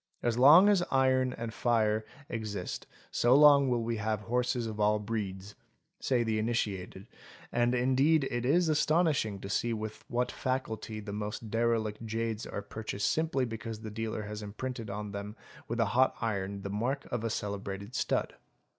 " As long as iron and fire exist so long will we have horses of all breeds" say the initiated, and indeed it is astonishing to see with what facility the most derelict jades are purchased simply because the dealer has imprinted on them with a hot iron the mark of a celebrated stud.